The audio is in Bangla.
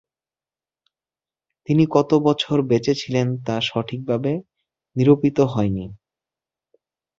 তিনি কত বছর বেঁচে ছিলেন তা সঠিকভাবে নিরূপিত হয় নি।